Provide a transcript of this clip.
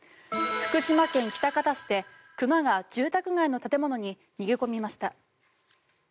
福島県喜多方市で熊が住宅街の建物に逃げ込みました。